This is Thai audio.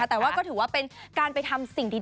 แต่ว่าก็ถือว่าเป็นการไปทำสิ่งดี